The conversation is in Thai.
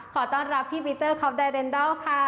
ขอต้อนรับพี่ปิ้ตเตอร์ครอบไดเดินเดาค้า